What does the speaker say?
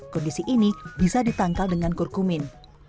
kondisi ini bisa ditangkal dengan kurkumin